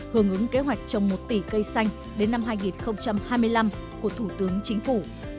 hướng ứng kế hoạch trồng một tỷ cây xanh đến năm hai nghìn hai mươi năm của thủ tướng chính phủ